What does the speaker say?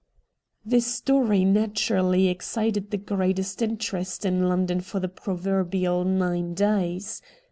The story naturally excited the greatest interest in London for the proverbial nine days.